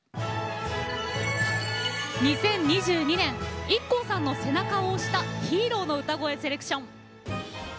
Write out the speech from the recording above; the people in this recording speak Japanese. ２０２２年ＩＫＫＯさんの背中を押したヒーローの歌声セレクション。